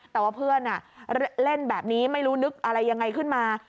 แต่ว่าเพื่อนเล่นแบบนี้ไม่รู้นึกอะไรยังไงขึ้นมา